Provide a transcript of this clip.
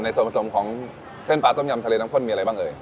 ส่วนผสมของเส้นปลาต้มยำทะเลน้ำข้นมีอะไรบ้างเอ่ย